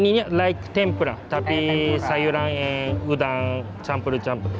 ini seperti tempura tapi sayuran yang sudah dicampur campur